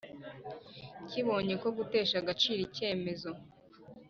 kibonye ko gutesha agaciro icyemezo